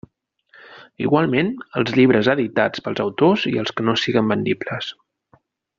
Igualment, els llibres editats pels autors i els que no siguen vendibles.